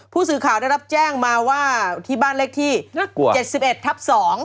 ผู้สื่อข่าวได้รับแจ้งมาว่าที่บ้านเลขที่๗๑ทับ๒